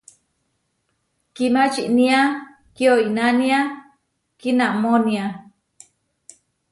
Kimačínia kioinánia kiinamónia.